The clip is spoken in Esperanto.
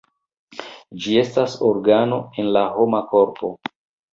Ĝi estas organo en la homa korpo.